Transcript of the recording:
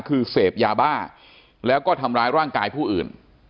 คือเสพยาบ้าแล้วก็ทำร้ายร่างกายผู้อื่น